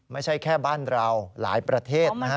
ไม่ใช่แค่บ้านเราหลายประเทศนะฮะ